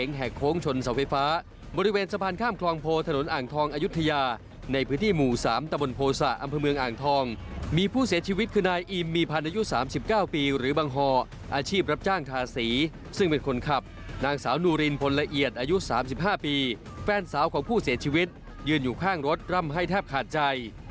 และแฟนสาวของผู้เสียชีวิตยืนอยู่ข้างรถร่ำให้แทบขาดใจ